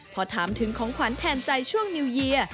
พอถามถึงของขวัญแทนใจช่วงนิวเยียร์